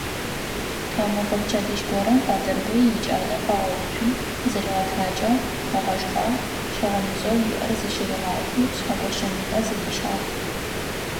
Тхьаумэфэ пчэдыжь горэм Батырбый икӀалэ къыгъэуцуи зыригъэтхьакӀыгъ, ыгъэшхагъ, щыгъыныжъэу иӀэр зыщыригъалъи, Шъхьэгощэ ныбэ зыдищагъ.